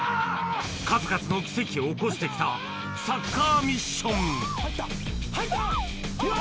・数々の奇跡を起こしてきたサッカーミッション・入った！